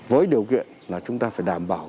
với điều kiện là chúng ta phải đảm bảo